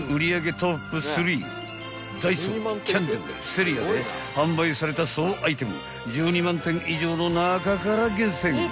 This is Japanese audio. ＤｏＳｅｒｉａで販売された総アイテム１２万点以上の中から厳選］